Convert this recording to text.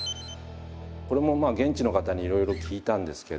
これも現地の方にいろいろ聞いたんですけど。